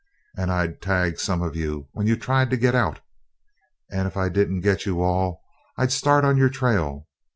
And I'd tag some of you when you tried to get out. And if I didn't get you all I'd start on your trail.